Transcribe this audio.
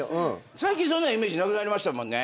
最近そんなイメージなくなりましたもんね。